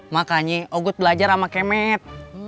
makanya aku belajar sama kemet